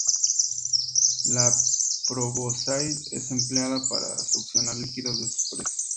La probóscide es empleada para succionar líquidos de sus presas.